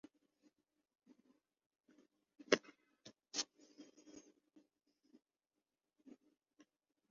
سوات کی ریاست نے پاکستان کے ساتھ الحاق کیا تھا ۔